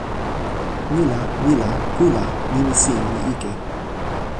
ni la, mi la, pu la, nimi sin li ike.